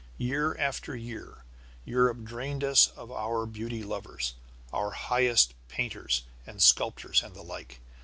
Year after year Europe drained us of our beauty lovers, our highest painters and sculptors and the like.